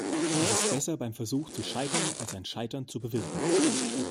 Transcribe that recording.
Es ist besser, beim Versuch zu scheitern, als ein Scheitern zu bewirken.